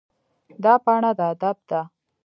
دا پاڼه د ادب ده.